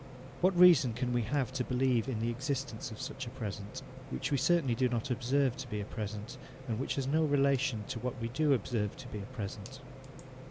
What reason can we have to believe in the existence of such a present, which we certainly do not observe to be a present, and which has no relation to what we do observe to be a present?